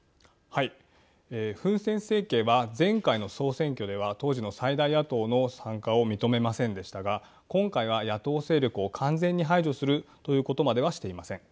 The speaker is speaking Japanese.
はい、フン・セン政権は前回の総選挙では当時の最大野党の参加を認めませんでしたが今回は野党勢力を完全に排除するということまではしていません。